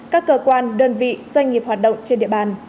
các cơ quan đơn vị doanh nghiệp hoạt động trên địa bàn